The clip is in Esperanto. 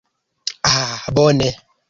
Ah bone!